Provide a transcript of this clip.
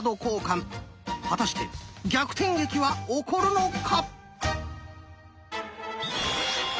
果たして逆転劇は起こるのか？